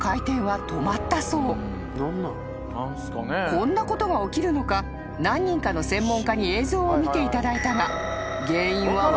［こんなことが起きるのか何人かの専門家に映像を見ていただいたが］